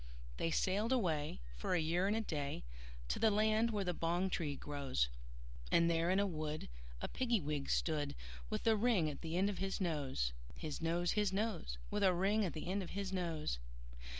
They sailed away, for a year and a day, To the land where the bong tree grows; And there in a wood a Piggy wig stood, With a ring at the end of his nose, His nose, His nose, With a ring at the end of his nose.